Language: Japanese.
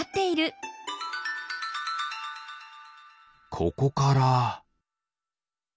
ここから。